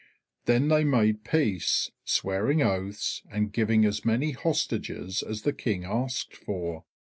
Then they made peace, swearing oaths, and giving as many hostages as the King asked for.